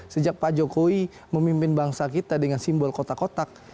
sejak pak jokowi memimpin bangsa kita dengan simbol kotak kotak